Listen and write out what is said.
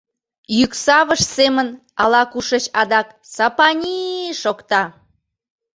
Йӱксавыш семын ала-кушеч адак «Сапани-и!» шокта.